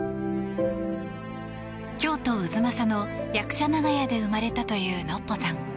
京都・太秦の役者長屋で生まれたというのっぽさん。